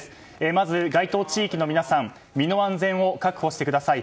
まず該当地域の皆さん身の安全を確保してください。